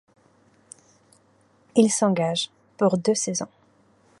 Il s'engage pour deux saisons.